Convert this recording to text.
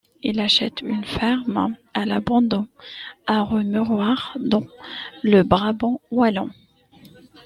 Ils achètent une ferme à l’abandon à Roux-Miroir, dans le Brabant Wallon.